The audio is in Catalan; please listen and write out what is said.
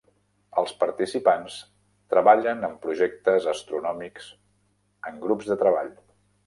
Els participants treballen en projectes astronòmics en grups de treball.